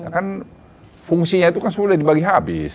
kan fungsinya itu kan sudah dibagi habis